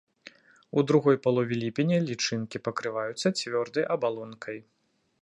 У другой палове ліпеня лічынкі пакрываюцца цвёрдай абалонкай.